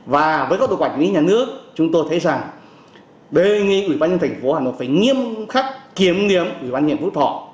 và với các đội quản lý nhà nước chúng tôi thấy rằng bệnh viện ubnd tp hà nội phải nghiêm khắc kiểm nghiệm ubnd phúc thọ